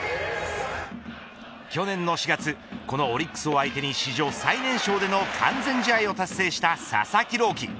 去年の４月このオリックスを相手に史上最年少での完全試合を達成した佐々木朗希。